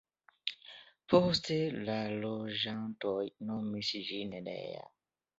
Poste la loĝantoj nomis ĝin Lea.